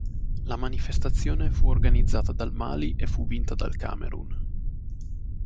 La manifestazione fu organizzata dal Mali e fu vinta dal Camerun.